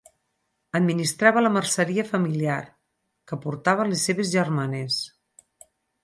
Administrava la merceria familiar, que portaven les seves germanes.